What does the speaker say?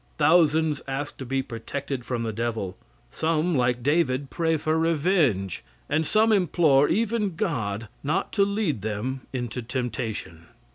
Thousands ask to be protected from the devil; some, like David, pray for revenge, and some implore, even God, not to lead them into temptation.